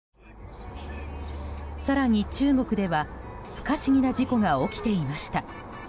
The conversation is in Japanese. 更に中国では、不可思議な事故が起きていました。